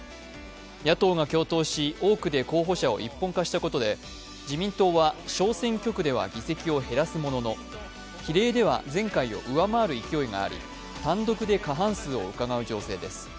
野党が共闘し、多くで候補者を一本化したことで自民党は小選挙区では議席を減らすものの、比例では前回を上回る勢いがあり単独で過半数をうかがう情勢です。